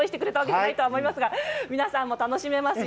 皆さんも楽しめますよ。